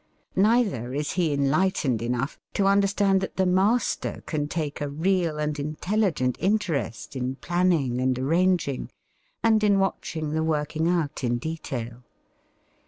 Neither is he enlightened enough to understand that the master can take a real and intelligent interest in planning and arranging, and in watching the working out in detail.